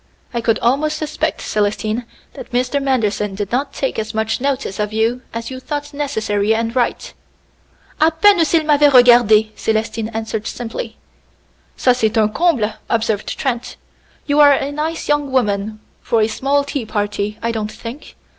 I could almost suspect, Célestine, that Mr. Manderson did not take as much notice of you, as you thought necessary and right." "A peine s'il m'avait regardé!" Célestine answered simply. "Ca, c'est un comble!" observed Trent. "You are a nice young woman for a small tea party, I don't think.